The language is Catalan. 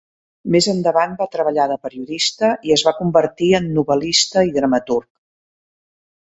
Més endavant va treballar de periodista i es va convertir en novel·lista i dramaturg.